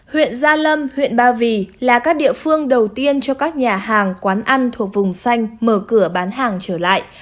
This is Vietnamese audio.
huyện gia lâm huyện ba vì là các địa phương đầu tiên cho các nhà hàng quán ăn thuộc vùng xanh mở cửa bán hàng trở lại